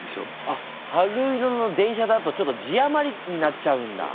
あっ「春色の電車」だとちょっと字余りになっちゃうんだ。